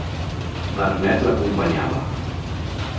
Vernet l'acompanyava.